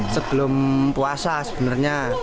sebelum puasa sebenarnya